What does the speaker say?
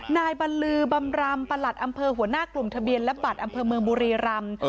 นายบรรลือบำรำประหลัดอำเภอหัวหน้ากลุ่มทะเบียนและบัตรอำเภอเมืองบุรีรำ